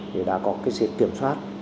thì đã có cái xếp kiểm soát